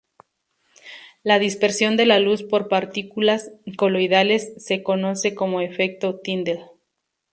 La dispersión de la luz por partículas coloidales se conoce como efecto Tyndall.